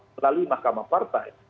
melalui mahkamah partai